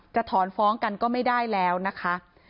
ถอนฟ้องกันก็ไม่ได้แล้วนะคะ